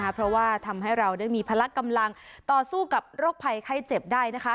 เพราะก็ได้มีผลักกำลังต่อสู้กับโรคภัยไขเจ็บได้